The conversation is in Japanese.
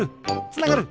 つながる！